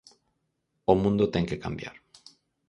O mundo ten que cambiar.